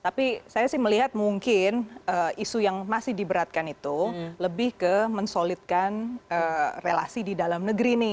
tapi saya sih melihat mungkin isu yang masih diberatkan itu lebih ke mensolidkan relasi di dalam negeri ini